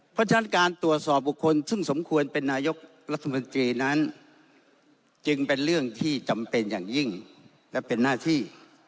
เพราะฉะนั้นการตรวจสอบบุคคลซึ่งสมควรเป็นนายกรัฐมนตรีนั้นจึงเป็นเรื่องที่จำเป็นอย่างยิ่งและเป็นหน้าที่